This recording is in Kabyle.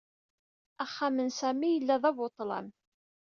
Axxam n Sami yella d abuḍḍlam.